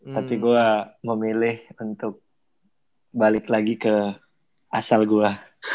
tapi gue memilih untuk balik lagi ke asal gue